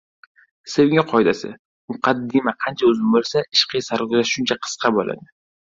— Sevgi qoidasi: muqaddima qancha uzun bo‘lsa, ishqiy sarguzasht shuncha qisqa bo‘ladi.